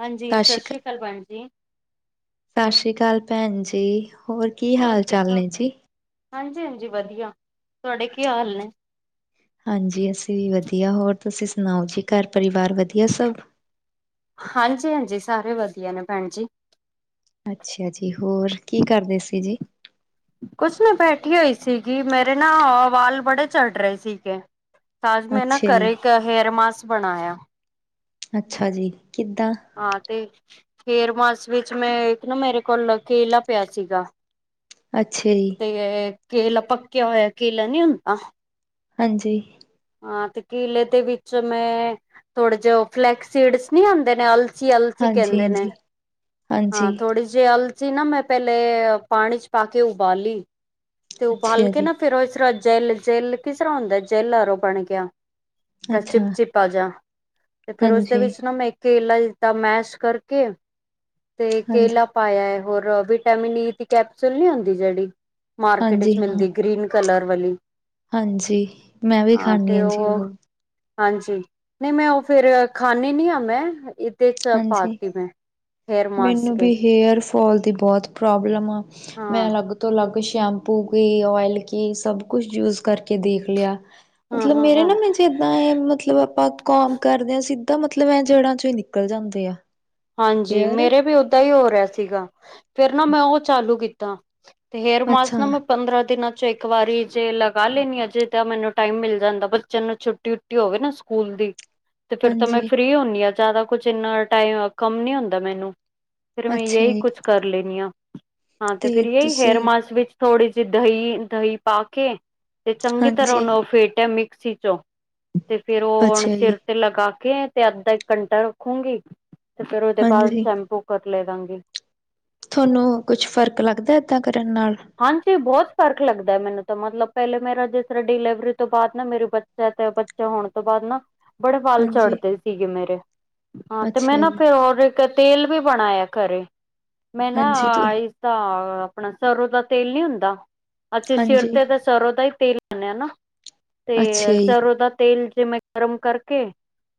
ਹਾਂਜੀ ਸਤਿ ਸਾਸ਼੍ਰੀ ਕਾਲ ਭੈਣ ਜੀ। ਸਾਸ਼੍ਰੀ ਕਾਲ ਭੈਣ ਜੀ ਹੋਰ ਕੀ ਹਾਲ ਚਾਲ ਨੇ ਜੀ। ਹਾਂਜੀ-ਹਾਂਜੀ ਵਦੀਆ ਤੁਆਡੇ ਕੀ ਹਾਲ ਨੇ। ਹਾਂਜੀ ਅਸੀਂ ਵੀ ਵਦੀਆ ਹੋਰ ਤੁਸੀਂ ਸੁਣਾਓ ਜੀ ਘਰ ਪਰਿਵਾਰ ਵਦੀਆ ਸਬ। ਹਾਂਜੀ-ਹਾਂਜੀ ਸਾਰੇ ਵਦੀਆ ਨੇ ਭੈਣ ਜੀ। ਅੱਛਾ ਜੀ, ਹੋਰ ਕੀ ਕਰਦੇ ਸੀ ਜੀ। ਕੁਛ ਨੀ ਬੈਠੀ ਹੋਈ ਸੀਗੀ, ਮੇਰੇ ਨਾ ਵਾਲ ਬੜੇ ਚੜ ਰੇ ਸੀਗੇ। ਤਾਂਜ ਮੈਂ ਨਾ ਅੱਛਾ ਜੀ ਘਰੇ ਇੱਕ ਹੇਅਰ ਮਾਸਕ ਬਣਾਇਆ। ਅੱਛਾ ਜੀ ਕਿੱਦਾਂ? ਹਾਂ ਤੇ ਫੇਰ ਮਾਸ ਵਿੱਚ ਮੈਂ ਇੱਕ ਨਾ ਮੇਰੇ ਕੋਲ ਕੇਲਾ ਪਿਆ ਸੀਗਾ ਅੱਛਾ ਜੀ। ਤੇ ਕੇਲਾ ਪੱਕਿਆ ਹੋਇਆ ਕੇਲਾ ਨੀ ਹੁੰਦਾ। ਹਾਂਜੀ। ਹਾਂ ਤੇ ਕਿਲੇ ਦੇ ਵਿੱਚ ਮੈਂ ਥੋੜੇ ਜੇ ਓ ਫਲੈਕਸੀਡਸ ਨੀ ਆਂਦੇ ਨੇ ਅਲ ਸੀ ਅਲਸੀ ਹਾਂਜੀ ਕੈਂਦੇ ਹਾਂਜੀ ਨੇ ਹਾਂਜੀ ਹਾਂ ਥੋੜੀ ਜੀ ਜੇ ਅਲਚੀ ਨਾ ਮੈਂ ਪੈਲੇ ਪਾਣੀ ਚ ਪਾ ਕੇ ਉਬਾਲੀ ਤੇ ਉਬਾਲ ਅੱਛਾ ਕੇ ਜੀ ਨਾ ਫਿਰ ਓ ਇਸਰ੍ਹਾਂ ਜੈਲ, ਜੈਲ ਕਿਸ ਤਰ੍ਹਾਂ ਹੁੰਦਾ ਜੈਲ ਆਰੋਂ ਬਨ ਗਿਆ ਫ ਅੱਛਾ ਚਿਪਚਿਪਾ ਜਾ ਤੇ ਫੇਰ ਓਸਦੇ ਹਾਂਜੀ ਵਿੱਚ ਨਾ ਮੈਂ ਕੇਲਾ ਜਿਦਾ ਮੈਸ਼ ਕਰਕੇ ਤੇ ਹਾਂਜੀ ਕੇਲਾ ਪਾਇਆ ਐ ਹੋਰ ਵਿਟਾਮਿਨ ਈ ਦੀ ਕੈਪਸੂਲ ਨੀ ਹੁੰਦੀ ਜੇੜੀ ਮਾਰਕੀਟ ਹਾਂਜੀ ਚ ਹਾਂ ਮਿਲਦੀ ਗ੍ਰੀਨ ਕਲਰ ਵਾਲੀ। ਹਾਂਜੀ ਮੈਂ ਵੀ ਹਾਂ ਖਾਨੀ ਤੇ ਆ ਜੀ ਉਹ ਓਹੋ ਹਾਂਜੀ ਨਈ ਮੈਂ ਓ ਫਿਰ ਖਾਨੀ ਨੀ ਆ ਮੈਂ ਸ ਹਾਂਜੀ ਪਾਤੀ ਮੈਂ ਹੇਅਰ ਮੈਨੂੰ ਮਾਸਕ ਵੀ ਹੇਅਰਫੋਲ ਦੀ ਬੋਤ ਪ੍ਰੋਬਲਮ ਆ ਮੈਂ ਹਾਂ ਅਲੱਗ ਤੋਂ ਅਲੱਗ ਸ਼ੈਂਪੂ ਕੀ, ਓਇਲ ਕੀ ਸਭ ਕੁਛ ਯੂਜ ਕਰਕੇ ਦੇਖ ਲਿਆ। ਹਾਂ ਮਤਲਬ ਹਾਂ ਮੇਰੇ ਹਾਂ ਨਾ ਮੈਂ ਜਿੱਦਾਂ ਏ ਮਤਲਬ ਆਪਾਂ ਕੋਮਬ ਕਰਦੇ ਆ ਸਿੱਧਾ ਮਤਲਬ ਐ ਜੜ੍ਹਾਂ ਚੋਂ ਈ ਨਿਕਲ ਜਾਂਦੇ ਆ। ਹਾਂਜੀ ਹੇਅਰ ਮੇਰੇ ਵੀ ਓਦਾਂ ਈ ਹੋ ਰਿਆ ਸੀਗਾ ਫੇਰ ਨਾ ਮੈਂ ਓ ਚਾਲੂ ਕੀਤਾ। ਹੇਅਰ ਅੱਛਾ ਮਾਸਕ ਨਾ ਮੈਂ ਪੰਦਰਾਂ ਦਿਨਾਂ ਚੋਂ ਇੱਕ ਵਾਰੀ ਜੇ ਲਗਾ ਲੈਣੀ ਆ ਜੇ ਤਾਂ ਮੈਨੂੰ ਟਾਈਮ ਮਿਲ ਜਾਂਦਾ ਬੱਚਿਆਂ ਨੂੰ ਛੁੱਟੀ ਛੁਟੀ ਹੋਵੇ ਨਾ ਸਕੂਲ ਦੀ ਤੇ ਫਿਰ ਤਾਂ ਮੈਂ ਹਾਂਜੀ ਫਰੀ ਹੁਨੀ ਆ ਜੈਦਾ ਕੁਛ ਇੰਨਾ ਟਾਈਮ ਅ ਕੰਮ ਨੀ ਹੁੰਦਾ ਮੈਨੂੰ ਫਿਰ ਮੈਂ ਅੱਛਾ ਯੇਈ ਜੀ ਕੁਛ ਕਰ ਲੈਨੀ ਆਂ ਆਂ ਤੇ ਫੇਰ ਯਈ ਹੇਅਰ ਮਾਸ ਵਿੱਚ ਥੋੜ੍ਹੀ ਜੀ ਧਈ ਧਈ ਪਾ ਕੇ ਤੇ ਚੰਗੀ ਤਰ੍ਹਾਂ ਹਾਂਜੀ ਉਨੁੰ ਫੇਂਟਿਆ ਮਿਕਸੀ ਚੋਂ ਤੇ ਫੇਰ ਓ ਹੁਣ ਅੱਛਾ ਜੀ ਸਿਰ ਤੇ ਲਗਾ ਕੇ ਤੇ ਅੱਧਾ ਇੱਕ ਘੰਟਾ ਰੱਖੂਗੀ। ਤੇ ਫੇਰ ਓਦੇ ਬਾਅਦ ਹਾਂਜੀ ਸ਼ੈਂਪੂ ਕਟ ਲੇਦਾਂਗੀ। ਥੋਨੂੰ ਕੁਛ ਫ਼ਰਕ ਲੱਗਦੈ ਏਦਾਂ ਕਰਨ ਨਾਲ ਹਾਂਜੀ, ਬੌਤ ਫ਼ਰਕ ਲੱਗਦੈ ਮੈਨੂੰ ਤਾਂ ਮਤਲਬ ਪੈਲੇ ਮੇਰਾ ਜਿਸ ਤਰ੍ਹਾਂ ਡਿਲੀਵਰੀ ਤੋਂ ਬਾਦ ਨਾ ਮੇਰੀ ਬ ਤੇ ਤੇ ਬੱਚੇ ਹੋਣ ਤੋਂ ਬਾਅਦ ਨਾ ਬੜੇ ਵਾਲ ਹਾਂਜੀ ਝੜਦੇ ਸੀਗੇ ਮੇਰੇ ਹਾਂ, ਤੇ ਮੈਂ ਅੱਛਾ ਨਾ ਜੀ ਫਿਰ ਔਰ ਤੇ ਤੇਲ ਵੀ ਬਣਾਇਐ ਘਰੇ ਮੈਂ ਨਾ ਹਾਂਜੀ ਤੂੰ ਆਇਤਾ ਆਪਣਾ ਸਰੋਂ ਦਾ ਤੇਲ ਨੀ ਹੁੰਦਾ ਅਸੀਂ ਸਿਰ ਹਾਂਜੀ ਤੇ ਤੇ ਸਰੋਂ ਦਾ ਈ ਤੇਲ ਲਾਨੇ ਆਂ ਨਾ ਤੇ ਅੱਛਾ ਜੀ ਸਰੋਂ ਦਾ ਤੇਲ ਜਿਵੇਂ ਗਰਮ ਕਰਕੇ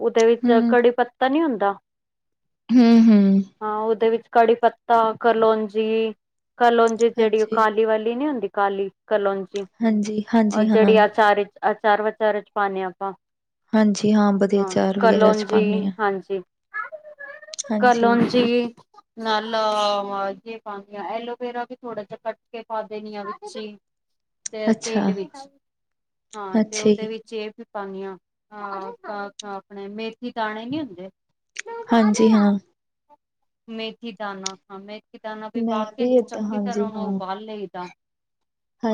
ਉਦੇ ਵਿੱਚ ਹੂੰ ਕੜੀ ਪੱਤ ਤਾ ਨੀ ਹੁੰਦਾ ਹੁੰ, ਹੁੰ। ਹਾਂ ਔਦੇ ਵਿੱਚ ਕੜੀ ਪੱਤਾ ਕਰਲੋਂਜੀ ਕਲੋਂਜੀ ਜਿਹੜੀ ਹਾਂਜੀ ਲੀ ਵਾਲੀ ਨੀ ਹੁੰਦੀ ਕਾਲੀ ਕਲੋਂਜੀ ਹਾਂਜੀ, ਔ ਹਾਂਜੀ ਹਾਂ, ਜੇੜੀ ਆਚਾਰ ਇਚ ਅਚਾਰ- ਵਚਾਰ ਚ ਪਾਨੇ ਆਪਾਂ ਹਾਂਜੀ ਵਧੀਆ ਹਾਂ ਅਚਾਰ ਵਗੈਰਾ ਚ ਕਲੋਂਜੀ, ਪਾਨੇ ਆ। ਹਾਂਜੀ। ਹਾਂਜੀ, ਕਲੌਂਜੀ ਨਾਲ ਜੇ ਪਾਂਦੀਆਂ ਐਲੋਵੇਰਾ ਵੀ ਥੋੜਾ ਜਿਹਾ ਕੱਟ ਕੇ ਪਾ ਦੇਣੀ ਆ ਵਿਚ ਈ। ਤੇ ਅੱਛਾ, ਤਿਲ ਵਿੱਚ ਹਾਂ ਤੇ ਅੱਛਾ ਜੀ, ਓਦੇ ਵਿੱਚ ਏ ਪਾਨੀਆ ਹਾ ਪਾ ਹ ਆਪਣੇ ਮੇਥੀ ਦਾਣੇ ਨੀ ਹੁੰਦੇ ਹਾਂਜੀ ਹਾਂ। ਮੇਥੀ ਦਾਨਾ ਹਾਂ ਮੇਥੀ ਦਾਨਾ ਵੀ ਪਾ ਮੈਂ ਕੇ ਤੇ ਏਦਾਂ ਚੰਗੀ ਹਾਂਜੀ ਤਰ੍ਹਾਂ ਓਨੂੰ ਹਾਂ, [unintelligible] ਲਈਦਾ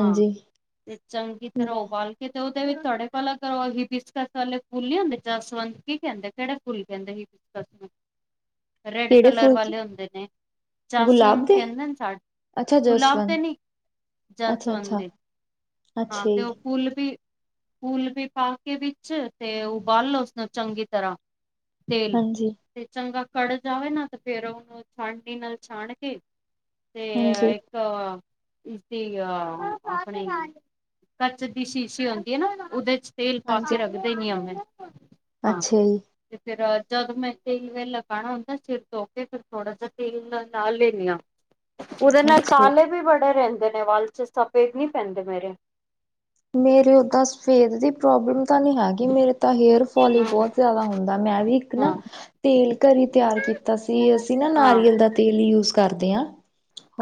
ਹਾਂ ਤੇ ਚੰਗੀ ਤਰ੍ਹਾਂ ਮੈਂ ਉਬਾਲ ਕੀਤੇ ਓਦੇ ਵਿੱਚ ਤਾਡੇ ਭਲ ਕਰ ਬਿਸਕਤ ਵਾਲੇ ਫੁੱਲ ਨੀ ਹੁੰਦੇ ਜਸਵੰਤ ਕੀ ਕੈਂਦੇ ਕੇੜੇ ਫੁੱਲ ਕੈਂਦੇ ਹੀ? [unintelligible] ਰੈਡ ਕਿਹੜੇ ਕਲਰ ਫੁੱਲ ਚ ਵਾਲੇ ਹੁੰਦੇ ਨੇ ਚਾਸਵਨ ਗੁਲਾਬ ਦੇ ਕੈਂਦੇ ਨੇ ਸਾ ਅੱਛਾ ਗੁਲਾਬ ਦੇ ਜਸਵੰਤ ਨੀ ਅੱਛਾ, ਜਾਸਵਨ ਅੱਛਾ। ਦੇ ਹਾਂ ਅੱਛਾ ਤੇ ਓ ਜੀ, ਫੁੱਲ ਵੀ ਫੁੱਲ ਵੀ ਪਾ ਕੇ ਵਿੱਚ ਤੇ ਉਬਾਲੋ ਉਸਨੂੰ ਚੰਗੀ ਤਰ੍ਹਾਂ। ਤੇਲ ਹਾਂਜੀ, ਤੇ ਚੰਗਾ ਕੜ ਜਾਵੇ ਨਾ ਤੇ ਫੇਰ ਓਨੂੰ ਛਾਣਨੀ ਨਾਲ ਛਾਣ ਕੇ ਤੇ ਹਾਂਜੀ, ਅ ਇਸੀ ਅ ਆਪਣੇ ਕੱਚ ਦੀ ਸ਼ੀਸ਼ੀ ਹੁੰਦੀ ਐ ਨਾ ਉਦੇ ਚ ਤੇਲ ਪਾ ਕੇ ਰੱਖਦੇ ਨੀ ਆ ਮੈ। ਅੱਛੇ ਜੀ। ਤੇ ਫੇਰ ਜਦ ਮੈਂ ਤੇਲ ਵੇਲ ਲਗਾਣਾ ਹੁੰਦਾ ਸਿਰ ਧੋ ਕੇ ਫਿਰ ਥੋੜਾ ਜਾ ਤੇਲ ਲਾ ਲੇਨੀ ਆ। ਉਦੇ ਨਾਲ ਅੱਛਾ ਜੀ। ਕਾਲੇ ਵੀ ਬੜੇ ਰੈਂਦੇ ਨੇ ਵਾਲ ਚ ਸਫੇਦ ਨੀ ਪੈਂਦੇ ਮੇਰੇ। ਮੇਰੇ ਓਦਾ ਸ ਸਫੇਦ ਦੀ ਪ੍ਰੋਬਲਮ ਤਾਂ ਨੀ ਹੈਗੀ ਮੇਰੇ ਤਾਂ ਹੇਅਰ ਫੋਲ ਹੀ ਹੂੰ ਬੋਤ ਜਾਦਾ ਹੁੰਦਾ ਮੈਂ ਵੀ ਇੱਕ ਨਾ ਹਾਂ ਤੇਲ ਘਰੀ ਤਿਆਰ ਕੀਤਾ ਸੀ ਅਸੀਂ ਨਾ ਨਾਰੀਅਲ ਹਾਂ ਦਾ ਤੇਲ ਯੂਜ ਕਰਦੇ ਆਂ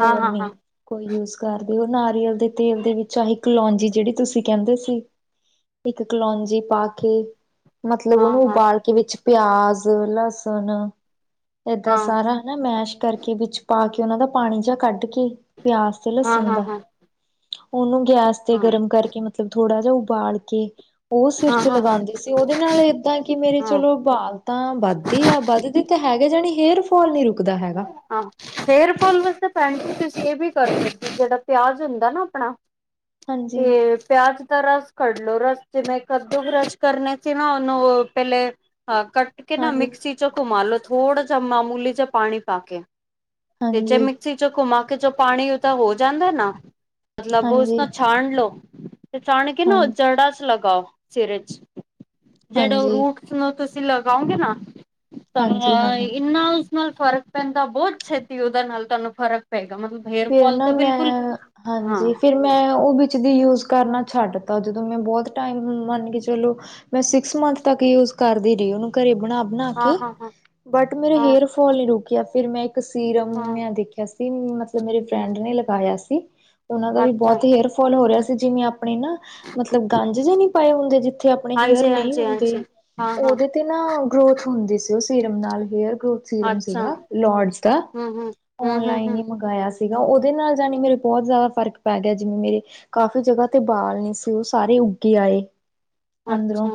ਹਾਂ ਹਾਂ ਨੀ। ਕੋਈ ਯੂਜ ਕਰਦੇਓ ਨਾਰੀਅਲ ਦੇ ਤੇਲ ਦੇ ਵਿੱਚ ਆਹੀ ਕਲੋਂਜੀ ਜੇੜੀ ਤੁਸੀਂ ਕੈਂਦੇ ਸੀ ਇੱਕ ਕਲੋਂਜੀ ਪਾ ਕੇ ਮਤਲਬ ਹਾਂ ਹਾਂ ਓਨੂੰ ਹਾਂ ਉਬਾਲ ਕੇ ਵਿੱਚ ਪਿਆਜ, ਲਸਣ ਏਦਾਂ ਸਾਰਾ। ਨਾ ਮੈਸ਼ ਕਰਕੇ ਵਿੱਚ ਪਾ ਕੇ ਓਨਾਂ ਦਾ ਪਾਣੀ ਜੇਆ ਕੱਢ ਕੇ ਪਿਆਸ [unintelligible] ਹਾਂ ਲਸਣ ਹਾਂ ਹਾਂ ਹਾਂ ਹਾਂ ਦਾ ਹਾਂ ਉਨੂੰ ਗੈਸ ਤੇ ਗਰਮ ਕਰ ਕੇ ਮਤਲਬ ਥੋੜਾ ਜਾ ਉਬਾਲ ਕੇ। ਓ ਸਿਰ ਹਾਂ ਚ ਹਾਂ ਲਗਾਂਦੇ ਸੀ, ਓਦੇ ਨਾਲ ਏਦਾਂ ਕੀ ਮੇਰੇ ਹਾਂ ਚਲੋ ਬਾਲ। ਤਾਂ ਵੱਧਦੇ ਆ ਵੱਧਦੇ ਤਾਂ ਹੈਗੇ ਜਾਣੀ ਹੇਅਰ ਫੋਲ ਨੀ ਰੁਕਦਾ ਹੈਗਾ। ਹਾਂ ਹੇਅਰ ਫੋਲ, ਵੈਸੇ ਤਾਂ ਪੈਣ ਤੁਸੀਂ ਏ ਵੀ ਕਰਦੇ ਜੇੜਾ ਪਿਆਜ ਹੁੰਦਾ ਨਾ ਆਪਣਾ। ਹਾਂਜੀ ਤੇ ਪਿਆਜ। ਤਾਂ ਰਸ ਕੱਢ ਲੋ, ਰਸ ਜਿਵੇਂ ਕੱਦੋ ਕਰਸ਼ ਕਰਨੇ ਸੀ, ਨਾ ਓਨੂੰ ਪੈਲੇ ਕੱਟ। ਕਟ ਕੇ ਨਾ ਹਾਂਜੀ ਮਿਕਸੀ ਚੋਂ ਘੁਮਾ ਲੋ ਥੋੜਾ ਜਾ ਮਾਮੂਲੀ ਜਾ ਪਾਣੀ ਪਾ ਕੇ। ਤੇ ਜੇ ਹਾਂਜੀ ਮਿਕਸੀ ਚੋਂ ਘੁੰਮਾ ਕੇ ਜੋ ਪਾਣੀ ਉਦਾ ਹੋ ਜਾਂਦੈ ਨਾ। ਮਤਲਬ ਹਾਂਜੀ ਉਸਨੂੰ ਛਾਨ ਲੋ ਤੇ ਛਾਣ ਕੇ ਨਾ ਓ ਹਾਂਜੀ ਜੜਾ ਚ ਲਗਾਓ ਸਿਰ ਚ। ਜੇੜ੍ਹੇ ਓ ਹਾਂਜੀ, ਰੂਟਸ ਨੂੰ ਤੁਸੀਂ ਲਗਾਓਗੇ ਨਾ ਹਾਂਜੀ ਹਾਂ ਤਾਂ ਇੰਨਾ। ਨਾਲ ਫ਼ਰਕ ਪੈਂਦਾ, ਬੋਤ ਛੇਤੀ ਓਦਾ ਨਾਲ ਤੁਹਾਨੂੰ ਫ਼ਰਕ ਪਏਗਾ ਮਤਲਬ। ਹੇਅਰ ਫੇਰ ਫੋਲ ਨਾ ਤਾਂ ਬਿਲਕੁਲ ਮੈਂ ਹਾਂ ਹਾਂਜੀ ਫੇਰ। ਮੈਂ ਓ ਵਿੱਚ ਦੀ ਯੂਜ ਕਰਨਾ ਛੱਡ ਤਾ, ਜਦੋਂ ਮੈਂ ਬੋਤ ਟਾਈਮ ਮੰਨ ਕੇ ਚਲੋ। ਮੈਂ ਸਿਕਸ ਮੰਥ ਤੱਕ ਯੂਜ ਕਰਦੀ ਰਈ ਓਨੂੰ ਘਰੇ ਬਣਾ-ਬਣਾ ਹਾਂ ਕੇ, ਹਾਂ ਹਾਂ ਬਟ ਮੇਰੇ ਹਾਂ ਹੇਅਰ। ਫੋਲ ਨੀ ਰੁਕਿਆ ਫਿਰ ਮੈਂ ਇੱਕ ਸੀਰਮ। ਹਾਂ। ਮੈਂ ਦੇਖਿਆ ਸੀ, ਮਤਲਬ ਮੇਰੇ ਫਰੈਂਡ ਨੇ ਲਗਾਇਆ ਸੀ। ਓਨਾਂ ਦਾ ਵੀ ਅੱਛਾ ਬੋਤ ਹੇਅਰ ਫੋਲ ਹੋ ਰਿਆ ਸੀ ਜਿਵੇਂ ਆਪਣੇ ਨਾ ਮਤਲਬ ਗੰਜ ਜੇ ਨੀ ਪਾਏ ਹੁੰਦੇ, ਜਿੱਥੇ ਆਪਣੇ ਹੇਅਰ ਹਾਂਜੀ ਨਈ ਹਾਂਜੀ ਹੁੰਦੇ। ਹਾਂਜੀ ਹਾਂ ਹਾਂ ਓਦੇ ਤੇ ਨਾ ਗਰੋਥ ਹੁੰਦੀ ਸੀ, ਓ ਸੀਰਮ ਨਾਲ ਹੇਅਰ ਗਰੋਥ। ਸੀਰਮ ਅੱਛਾ ਸੀਗਾ ਲੌਡਜ ਦਾ ਹੂੰ ਹੂੰ ਹੂੰ ਹੂੰ ਔਨਲਾਈਨ ਹੂੰ ਈ ਮੰ ਗਾਇਆ ਸੀਗਾ ਓਦੇ ਨਾਲ ਜਾਣੀ ਮੇਰੇ ਬੋਤ ਜਾਦਾ ਫ਼ਰਕ ਪੈ ਗਿਆ ਜਿਵੇਂ ਮੇਰੇ ਕਾਫ਼ੀ ਜਗ੍ਹਾ ਤੇ ਬਾਲ ਨੀ ਸੀ ਓ ਸਾਰੇ ਉੱਗੇ ਆਏ। ਅੰਦਰੋਂ ਅੱਛਾ।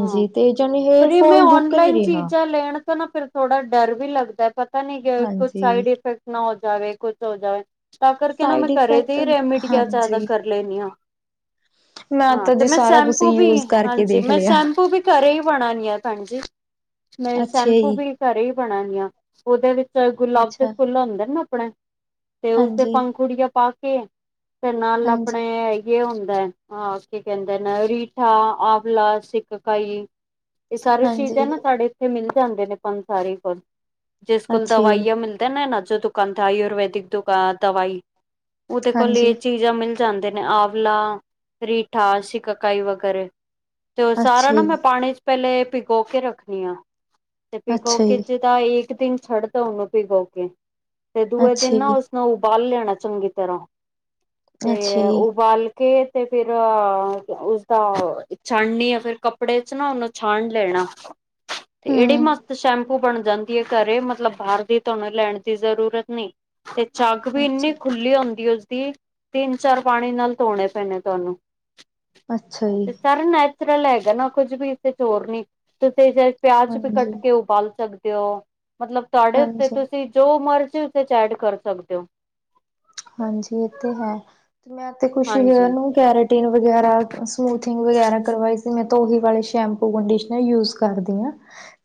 ਹਾਂ ਤੇ ਜਾਣੀ ਹੇਅਰ ਓਏ ਏ ਮੈਂ ਫੋਲ ਰੁਕ ਨਹੀਂ ਔਨਲਾਈਨ ਰਿਹਾ ਚੀਜ਼ਾਂ ਲੈਣ ਤੋਂ ਨਾ ਫਿਰ ਥੋੜਾ ਡਰ ਵੀ ਲੱਗਦੈ। ਪਰ ਪਤਾ ਨੀ ਕੀ ਕੁੱਛ ਹਾਂਜੀ ਸਾਈਡ ਇਫੈਕਟ ਨਾ ਹੋ ਜਾਵੇ ਕੁੱਛ ਹੋ ਜਾਵੇ। ਤਾਂ ਕਰਕੇ ਨਾ ਮੈਂ ਸਾਈਡ ਘਰੇ ਇਫੈਕਟ ਦੀ ਰੈਮੀਡੀਆਂ ਜਾਦਾ ਹਾਂਜੀ ਕਰ ਲੈਨੀਂ ਆ। ਹਾਂ। ਤਾਂ ਤੇ ਜੀ ਮੈਂ ਸਾਰਾ ਕੁਛ ਸ਼ੈਂਪੂ ਵੀ ਯੂਜ ਕਰਕੇ ਹਾਂਜੀ ਦੇਖ ਮੈਂ। ਲਿਆ ਸ਼ੈਂਪੂ ਵੀ ਘਰ ਹੀ ਬਣਾ ਨੀ ਆ ਭੈਣ ਜੀ, ਮੈਂ ਅੱਛਾ ਸ਼ੈਂਪੂ ਜੀ ਵੀ ਘਰੇ ਹੀ ਬਣਾ ਨੀ ਆ। ਉਹਦੇ ਵਿੱਚ ਗੁਲਾਬ ਦੇ ਅੱਛਾ ਫੁੱਲ ਹੁੰਦੇ ਨੇ ਆਪਣੇ। ਤੇ ਉਸਦੇ ਹਾਂਜੀ ਪੰੰਗੁੜੀਆਂ ਪਾ ਕੇ ਤੇ ਨਾਲ ਹਾਂਜੀ ਆਪਣੇ ਹੁੰਦਾ ਹੈ। ਹਾਂ ਕੀ ਕਹਿੰਦੇ ਨਾ ਰੀਠਾ ਆਵਲਾ ਸੀਕਾਕਾਈ ਇਹ ਸਾਰੇ ਚੀਜਾ ਹੈ ਹਾਂਜੀ ਨਾ ਸਾਡੇ ਇੱਥੇ ਮਿਲ ਜਾਂਦੇ ਨੇ ਪੰਸਾਰੇ ਕੋਲ। ਜਿਸ ਕੋਲ ਅੱਛਾ ਜੀ ਦਵਾਈਆਂ ਮਿਲਦੇ ਨਾ ਨਾ ਜੋ ਦੁਕਾਨਥ ਆਯੁਰਵੈਦਿਕ ਦੁਕਾਨ ਦਵਾਈ। ਉਹਦੇ ਕੋਲ ਹਾਂਜੀ ਇਹ ਚੀਜ਼ਾਂ ਮਿਲ ਜਾਂਦੇ ਨੇ ਆਂਵਲਾ, ਰੀਠਾਸੀ ਸੀਕਾਕਾਈ ਵਗੈਰਾ। ਤੇ ਉਹ ਸਾਰਾ ਅੱਛਾ ਨਾ ਜੀ ਮੈਂ ਪਾਣੀ ਚ' ਪਹਿਲੇ ਪਿਗੋ ਕੇ ਰੱਖਣੀ ਆ ਤੇ ਅੱਛਾ ਪਿਗੋਕੇ ਜੀ ਚ' ਤਾਂ ਇੱਕ ਦਿਨ ਛੱਡਦਾ ਉਹਨੂੰ ਭਿਗੋ ਕੇ ਤੇ ਦੂਏ ਅੱਛਾ ਦਿਨ ਨਾ ਜੀ ਉਸ। ਉਬਾਲ ਲੈਣਾ ਚੰਗੀ ਤਰ੍ਹਾਂ ਤੇ ਅੱਛਾ ਜੀ ਉਬਾਲ ਕੇ ਤੇ ਫਿਰ, ਉਸਦਾ, ਛਾਣਨੀ ਆ ਫਿਰ ਕੱਪੜੇ ਚ' ਨਾ ਉਹਨੂੰ ਛਾਣ ਲੈਣਾ ਤੇ ਇਹੜੀ ਹਮ ਮਸਤ ਸ਼ੈਂਪੂ। ਬਣ ਜਾਂਦੀ ਹੈ ਘਰੇ ਮਤਲਬ ਬਾਹਰ ਦੀ ਤੁਹਾਨੂੰ ਲੈਣ ਦੀ ਜ਼ਰੂਰਤ ਨਹੀਂ। ਤੇ ਚੱਗ ਵੀ ਇੰਨੀ ਅੱਛਾ ਖੁੱਲੀ ਹੁੰਦੀ ਉਸਦੀ, ਤਿੰਨ ਚਾਰ ਪਾਣੀ ਨਾਲ ਧੋਣੇ ਪੈਣੇ ਤੁਹਾਨੂੰ। ਅੱਛਾ ਜੀ ਤੇ ਸਾਰਾ ਨੈਚੁਰਲ ਹੈਗਾ ਨਾ ਕੁੱਝ ਵੀ ਇ ਚ' ਹੋਰ ਨੀ ਤੁਸੀਂ ਜ। ਪਿਆਜ ਵੀ ਕੱਟ ਹਾਂਜੀ ਕੇ ਉਬਾਲ ਸਕਦੇ ਹੋ, ਮਤਲਬ ਤੁਹਾਡੇ ਉੱਤੇ ਹਾਂਜੀ ਤੁਸੀਂ ਜੋ ਮਰਜ਼ੀ ਉਹਦੇ ਚ' ਐਡ ਕਰ ਸਕਦੇ ਹੋ। ਹਾਂਜੀ। ਇਹ ਤੇ ਹੈ, ਮੈਂ ਤੇ ਖੁਸ਼ੀ ਇਹਨਾ ਹਾਂਜੀ ਨੂੰ ਕੈਰੇਟੀਨ ਵਗੈਰਾ, ਸਮੂਥਨਿੰਗ ਵਗੈਰਾ, ਕਰਵਾਈ ਸੀ ਮੈਂ ਉਹੀ ਵਾਲੇ ਸ਼ੈਂਪੂ ਕੰਡੀਸ਼ਨਰ ਯੂਜ਼। ਕਰਦੀ ਹਾਂ।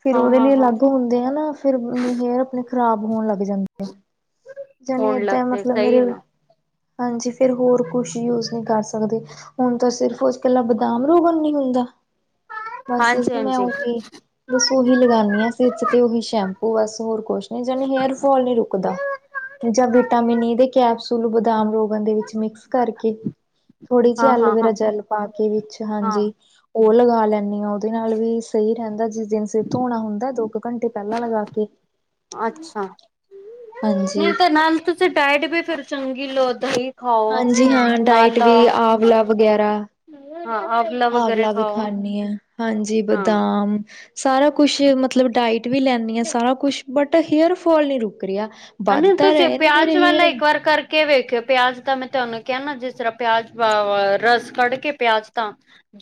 ਫਿਰ ਹਾਂ ਉਹਦੇ ਹਾਂ ਲਈ ਹਾਂ ਅਲੱਗ ਹੁੰਦੇ ਆ ਨਾ, ਫਿਰ ਹੇਅਰ ਆਪਣੇ ਖ਼ਰਾਬ ਹੋਣ ਲੱਗ ਜਾਂਦੀ। [inaudible] ਜਾਣੀ ਏਦਾਂ ਲੱਗਦੇ ਮਤਲਬ ਸਹੀ ਮੇਰੇ ਹੈ ਨਾ। ਹਾਂਜੀ। ਫੇਰ ਹੋਰ ਕੁਛ ਯੂਜ ਨਹੀਂ ਕਰ ਸਕਦੇ, ਹੁਣ ਤਾਂ ਸਿਰਫ ਉਸ ਇਕੱਲਾ ਬਦਾਮ ਰੋਗਣ ਨੀ ਹੁੰਦਾ, ਬਸ ਹਾਂਜੀ ਸਿਰਫ ਮੈਂ ਹਾਂਜੀ ਉਹੀ। ਬਸ ਉਹੀ ਲਗਾਉਦੀ ਹਾਂ। ਸਿਰ 'ਚ ਤੇ ਉਹੀ ਸ਼ੈਂਪੂ ਬਸ ਹੋਰ ਕੁਛ ਨੀ ਜਾਣੀ ਹੇਅਰ ਫੋਲ ਨੀ ਰੁਕਦਾ। ਜਾਂ ਵਿਟਾਮਿਨ ਈ ਦੇ ਕੈਪਸੂਲ, ਬਦਾਮ ਰੋਗਨ ਦੇ ਵਿੱਚ ਮਿਕਸ। ਕਰਕੇ, ਥੋੜੀ ਜਿਹੀ ਹਾਂ ਹਾਂ ਐਲੋਵੇਰਾ ਹਾਂ ਜੈਲ ਪਾ ਕੇ ਵਿੱਚ ਹਾਂ। ਹਾਂਜੀ। ਉਹ ਲਗਾ ਲੈਂਦੀ ਆਂ, ਉਹਦੇ ਨਾਲ ਵੀ ਸਹੀ ਰਹਿੰਦਾ ਜਿਸ ਦਿਨ ਸਿਰ ਧੋਣਾ ਹੁੰਦਾ ਦੋ ਕੁ ਘੰਟੇ ਪਹਿਲਾਂ ਲਗਾ ਕੇ। ਅੱਛਾ। ਨਹੀਂ ਹਾਂਜੀ ਤੇ ਨਾਲ ਤੁਸੀਂ ਡਾਇਟ ਵੀ ਫਿਰ ਚੰਗੀ ਲੋਦ ਜੀ। ਹਾਂਜੀ। ਹਾਂ, ਡਾਇਟ ਵੀ ਆਵਲਾ ਵਗੈਰਾ। ਹਾਂ ਵਗੈਰੇ ਆਵਲਾ ਵੀ ਖਾਓ ਖਾਂਦੀ ਹਾਂ, ਹਾਂਜੀ ਹਾਂ ਬਦਾਮ। ਸਾਰਾ ਕੁਛ ਮਤਲਬ ਡਾਈਟ ਵੀ ਲੈਂਦੀ ਆਂ ਸਾਰਾ ਕੁਛ, ਬਟ ਹੇਅਰਫਾਲ ਨੀ ਰੁਕ ਰਿਹਾ। ਵੱਧ ਹਨ, ਤਾਂ ਤੁਸੀਂ ਰਹੇ ਨੇ ਪਿਆਜ ਮੇਰੇ ਵਾਲਾ ਹੇਅਰ ਇੱਕ ਵਾਰ ਕਰਕੇ ਕੇ ਵੇਖਿਓ, ਪਿਆਜ ਦਾ ਮੈਂ ਤੁਹਾਨੂੰ ਕਹਿਣਾ ਜਿਸ ਤਰ੍ਹਾਂ ਪਿਆਜ ਵ ਰਸ ਕੱਢ ਕੇ ਪਿਆਜ ਦਾ।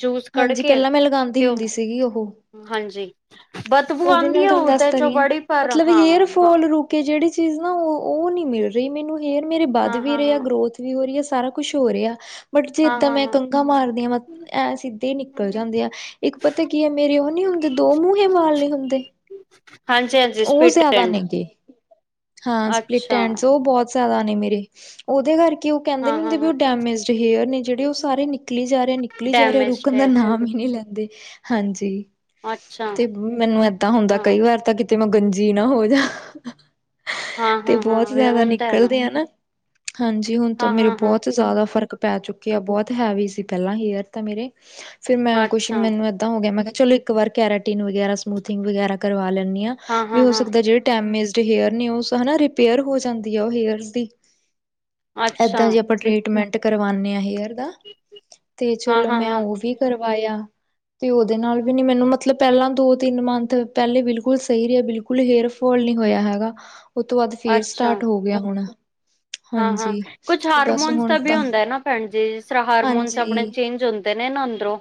ਜੂਸ ਕੱਢ ਹਾਂਜੀ ਕੇ, ਪਹਿਲਾਂ ਮੈਂ ਲਗਾਉਂਦੀ ਤੇ ਹੁੰਦੀ ਉਹ, ਸੀਗੀ ਉਹ ਹਾਂਜੀ। ਬਦਬੂ ਉਹਦੇ ਆਉਂਦੀ ਨਾਲ ਹੈ ਤੁਹਾਨੂੰ ਦੱਸ ਉਹਦੇ 'ਚੋਂ ਬੜੀ, ਪਰ ਹਾਂ। ਕਿ ਜਿਹੜੀ ਚੀਜ਼ ਨਾ ਉਹ, ਉਹ ਨਹੀਂ ਮਿਲ ਰਹੀ ਮੈਨੂੰ ਹੇਅਰ ਮੇਰੇ ਵੱਧ ਹਾਂ ਵੀ ਹਾਂ ਰਹੇ ਆ ਹਾਂ ਗਰੋਥ। ਵੀ ਹੋ ਰਹੀ ਹੈ ਸਾਰਾ ਕੁੱਛ ਹੋ ਰਿਹਾ, ਬਟ ਜੇ ਇੱਦਾਂ ਹਾਂ ਮੈਂ ਹਾਂ ਕੰਘਾ ਮਾਰਦੀ ਮਤ ਐਂ ਸਿੱਧੇ ਹੀ ਨਿਕਲ ਜਾਂਦੇ ਆ, ਇੱਕ ਪਤਾ ਕੀ ਹੈ ਮੇਰੇ ਉਹ ਨੀ ਹੁੰਦੇ ਦੋ ਮੂੰਹ ਮਾਲ ਲ। ਦੇ ਹਾਂਜੀ ਹਾਂਜੀ ਉਹ ਸਪਿਟ ਜ਼ਿਆਦਾ ਐਂਡ ਨੇਗੇ ਹਾਂ ਸਪਲਿਟ। ਅੱਛਾ [unintelligible] ਉਹ ਬਹੁਤ ਜ਼ਿਆਦਾ ਨੇ ਮੇਰੇ। ਉਹਦੇ ਕਰਕੇ ਉਹ ਕਹਿੰਦੇ ਹਾਂ ਨੇ ਹਾਂ ਹੁੰਦੇ ਵੀ ਹਾਂ ਉਹ ਡੈਮੇਜਡ ਹੇਅਰ ਨੇ, ਜਿਹੜੇ ਉਹ ਸਾਰੇ ਨ ਨਿਕਲੀ ਜਾ ਰਿਹਾ, ਨਿਕਲੀ ਜਾ ਰਿਹਾ, ਡੈਮੇਜਡ ਰੁਕਣ ਹੈ ਦਾ ਨਾਮ ਹੀ ਨਹੀਂ ਲੈਂਦੇ ਹਾਂਜੀ। ਤੇ ਮੈਨੂੰ ਏਦਾਂ ਹੁੰਦਾ ਕਈ ਵਾਰ ਤਾਂ ਕਿਤੇ ਮੈਂ ਗੰਜੀ ਨਾ ਹੋ ਜਾ। ਤੇ ਬਹੁਤ ਜ਼ਿਆਦਾ ਨਿਕਲਦੇ ਆ ਨਾ। ਹਾਂਜੀ। ਹੁਣ ਤਾਂ ਮੇਰੇ ਬਹੁਤ ਜ਼ਿਆਦਾ ਫ਼ਰਕ। ਪੈ ਚੁੱਕੇ ਆ ਬਹੁਤ ਹੈਵੀ ਸੀ ਪਹਿਲਾਂ ਹੇਅਰ ਤਾਂ ਮੇਰੇ। ਫੇਰ ਮੈਂ ਕੁੱਛ ਮੈਨੂੰ ਹੋ ਗਿਆ ਮੈਂ ਕਿਹਾ ਚਲੋ ਇੱਕ ਵਾਰ ਕੈਰਾਟੀਨ ਵਗੈਰਾ, ਸਮੂਥਿੰਗ ਵਗੈਰਾ, ਕਰਵਾ ਲੈਂਦੀ ਹੈ, ਵੀ ਹੋ ਸਕਦਾ ਜਿਹੜ ਡੈਮੇਜਡ ਹੇਅਰ ਨੇ, ਉਹ ਹਨਾ ਰਿਪੇਅਰ ਹੋ ਜਾਂਦੀ ਆ ਉਹ ਹੇਅਰਸ ਦੀ। ਏਦਾਂ ਜੇ ਆਪਾਂ ਟਰੀਟਮੈਂਟ ਕਰਵਾਉਦੇ ਹਾਂ ਹੇਅਰ ਦਾ, ਤੇ ਚਲੋ ਮੈਂ ਉਹ ਵੀ। ਕਰਵਾਇਆ, ਤੇ ਉਹਦੇ ਨਾਲ ਵੀ ਨੀ ਮੈਨੂੰ ਮਤਲਬ ਪਹਿਲਾਂ ਦੋ, ਤਿੰਨ ਮੰਥ ਪਹਿਲੇ ਬਿਲਕੁਲ ਸਹੀ ਰਿਹਾ, ਬਿਲਕੁਲ ਹੇਅਰ ਫੋਲ ਨਹੀਂ ਹੋਇਆ ਹੈਗਾ, ਉਹ ਤੋਂ ਬਾਅਦ ਫੇਰ ਅੱਛਾ, ਸਟਾਰਟ ਹੋ ਗਿਆ ਹੁਣ, ਹਾਂ- ਹਾਂ, ਹਾਂਜੀ ਕੁਛ ਤੇ ਬਸ ਹਾਰਮੋਨਸ ਹੁਣ ਤਾਂ ਵੀ ਹੁੰਦਾ ਹੈ ਨਾ ਭੈਣ ਜੀ, ਜਿਸ ਤਰ੍ਹਾਂ ਹਾਰਮੋਨ ਹਾਂਜੀ ਆਪਣੇ ਚੇਂਜ ਹੁੰ ਦੇ ਨਾ ਅੰਦਰੋਂ,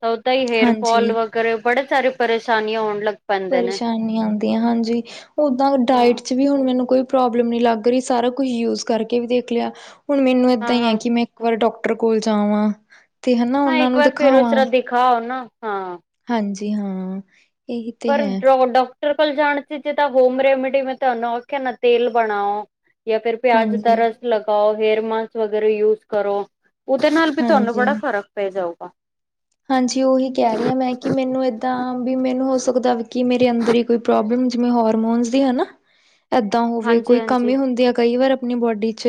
ਤਾਂ ਓਦਾਂ ਹੀ ਹੇਅਰ ਫਾਲ ਹਾਂਜੀ ਵਗੈਰਾ ਬੜੇ ਸਾਰੇ ਪਰੇਸ਼ਾਨੀਆਂ ਹੋਣ ਲੱਗ ਪਾ, ਪਰੇਸ਼ਾਨੀ ਆਉਂਦੀਆਂ ਹਾਂਜੀ, ਉਦਾਂ ਡਾਇਟ ਹਾਂ, 'ਚ ਵੀ ਹੁਣ ਮੈਨੂੰ ਕੋਈ ਪ੍ਰੋਬਲਮ ਨੀ ਲੱਗ ਰਹੀ, ਸਾਰਾ ਕੁਛ ਯੂਜ ਕਰਕੇ ਵੀ ਦੇਖ ਲਿਆ, ਹੁਣ ਮੈਨੂੰ ਏਦਾਂ ਹਾਂ, ਹੀ ਹੈ ਹਾਂ, ਕਿ ਮੈਂ ਇੱਕ ਵਾਰ ਡਾਕਟਰ ਕੋਲ ਜਾਵਾਂ, ਤੇ ਹਨਾ ਉਹਨਾਂ ਨੂੰ ਦਿਖਾਵਾਂ, ਖਾਓ ਨਾ, ਹਾਂ ਹਾਂਜੀ ਹਾਂ,, ! ਪਰ ਡੋ ਡਾਕਟਰ ਕੋਲ ਜਾਣ ਸੀ ਜੇ ਤਾਂ ਹੋਮ ਰੈਮੇਡੀ ਮੈਂ ਤੁਹਾਨੂੰ ਆਖਿਆ ਨਾ ਤੇਲ ਬਣਾਓ! ਜਾਂ ਫਿਰ ਪਿਆਜ ਦਾ ਹਾਂਜੀ ਰਸ ਲਗਾਓ, ਹੇਅਰ ਮਾਸਕ ਵਗੈਰਾ ਯੂਜ ਕਰੋ, ਉਹਦੇ ਨਾਲ ਵੀ ਤੁਹਾਨੂੰ ਹਾਂਜੀ ਬੜਾ ਫ਼ਰਕ ਪੈ ਜਾਊਗਾ,, ਹਾਂਜੀ, ਉਹੀ ਕਹਿ ਰਹੀ ਹਾਂ ''ਮੈਂ ਕਿ ਮੈਨੂੰ ਏਦਾਂ, ਵੀ ਮੈਨੂੰ ਹੋ ਸਕਦਾ ਕਿ ਮੇ ਰੇ ਅੰਦਰ ਈ ਕੋਈ ਪ੍ਰੋਬਲਮ, ਜਿਵੇਂ ਹੋਰਮੋਨਜ ਦੀ ਆਨਾ ਏਦਾਂ ਹੋਵੇ, ਹਾਂਜੀ ਕੋਈ ਹਾਂਜੀ ਕਮੀ ਹੁੰਦੀ ਆ ਕਈ ਵਾਰ ਆਪਣੀ ਬੋਡੀ'ਚ।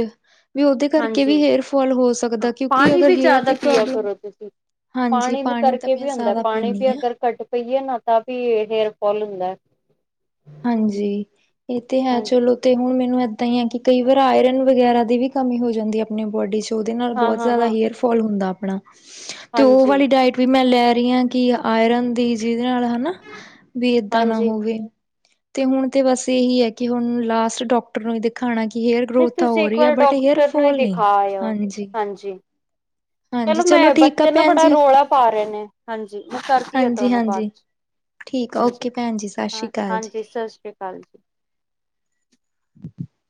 ਵੀ ਉਹਦੇ ਕਰਕੇ ਹਾਂਜੀ ਵੀ ਹੇਅਰ ਫੋਲ ਹੋ ਹਾਂ ਸਕਦਾ, ਕਿਉਂਕਿ ਪਾਣੀ ਅਗਰ ਵੀ ਹੇਅਰ ਜ਼ਿਆਦਾ ਦੀ ਪ੍ਰੋਬਲਮ [unintelligible] ਹਾਂਜੀ, ਪਾਣੀ ਤਾਂ ਮੇਂ ਜ਼ਿਆਦਾ ਪੀਨੀ ਆਂ। ਕੱਟ ਪਈਏ ਨਾ ਤਾਂ ਵੀ, ਹੇਅਰ ਫੌਲ ਹੁੰਦਾ। ਹਾਂਜੀ, ਇਹ ਤੇ ਹੈ ਹਾਂਜੀ ਚਲੋ ਤੇ ਹੁਣ ਮੈਨੂੰ ਇੱਦਾਂ ਹੀ ਆ ਕਿ, ਕਈ ਵਾਰੀ ਆਇਰਨ ਵਗੈਰਾ ਦੀ ਵੀ ਕਮੀ ਹੋ ਜਾਂਦੀ ਏ, ਆਪਣੀ ਬੋਡੀ'ਚ। ਉਹਦੇ ਨਾਲ ਹਾਂ ਬਹੁਤ ਹਾਂ ਜ਼ਿਆਦਾ ਹਾਂ ਹੇਅਰ ਫੌਲ ਹੁੰਦਾ ਆਪਣਾ, ਤੇ ਉਹ ਹਾਂਜੀ ਵਾਲੀ ਡਾਇਟ ਵੀ ''ਮੈਂ ਲੈ ਰਹੀ ਹਾਂ ਕਿ, ਆਇਰਨ ਦੀ ਜਿਹਦੇ ਨਾਲ ਹਨਾ, ਵੀ ਏਦਾਂ ਨਾ ਹਾਂਜੀ ਹੋਵੇ। ਤੇ ਹੁਣ ਤੇ ਬਸ ਇਹੀ ਆ ਕਿ, ਹੁਣ ਲਾਸਟ ਡੌਕ ਡੌਕਟਰ ਨੂੰ ਵੀ ਦਿਖਾਣਾ, ਕਿ ਹੇਅਰ ਨਹੀਂ ਗਰੋਥ ਤਾਂ ਤੁਸੀਂ ਹੋ ਇੱਕ ਰਹੀ ਆ, ਵਾਰ ਬਟ ਹੇਅਰ ਡਾਕਟਰ ਨੂੰ ਹੀ ਫੋਲ ਨਹੀਂ, ਦਿਖਾ ਆਇਓ ਹਾਂਜੀ। ਹਾਂਜੀ। ਹਾਂਜੀ ਚਲੋ ਮੈਂ ਠੀਕ ਆ ਬੱਚੇ ਨ ਭੈਣ ਬੜਾ ਜੀ ਰੌਲਾ ਪਾ ਰਹੇ ਨੇ, ਹਾਂਜੀ, ਮੈਂ ਕਰਦੀ ਆ ਹਾਂਜੀ ਤੁਹਾਨੂੰ ਹਾਂਜੀ ਬਾਅ'ਚ। ਠੀਕ ਆ ਹਾਂਜੀ, ਓਕੇ ਭੈਣ ਜੀ ਸਤਿ ਹਾਂ ਸ਼੍ਰੀ ਅਕਾਲ ਜੀ ਹਾਂਜੀ, ਸਤਿ ਸ਼੍ਰੀ ਅਕਾਲ ਜੀ। [unintelligible]